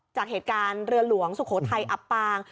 จากเหตุการณ์เรือหลวงสุโขทัยอับปาง